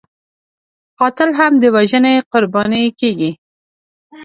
قاتل هم د وژنې قرباني کېږي